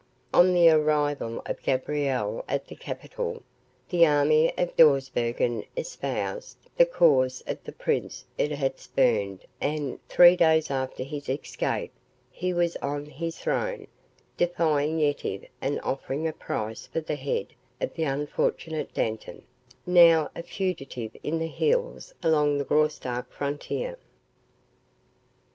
On the arrival of Gabriel at the capital, the army of Dawsbergen espoused the cause of the Prince it had spurned and, three days after his escape, he was on his throne, defying Yetive and offering a price for the head of the unfortunate Dantan, now a fugitive in the hills along the Graustark frontier.